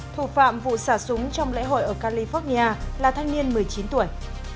thủ phạm vụ xả súng trong lễ hội ở california là thanh niên một mươi chín tuổi